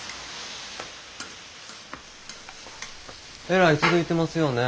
えらい続いてますよね。